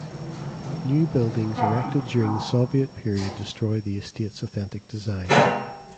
New buildings erected during the Soviet period destroyed the estate’s authentic design.